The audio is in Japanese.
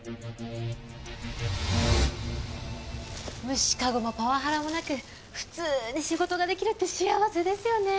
無視カゴもパワハラもなく普通に仕事ができるって幸せですよね。